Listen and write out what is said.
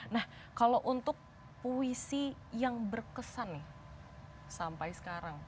nah kalau untuk puisi yang berkesan nih sampai sekarang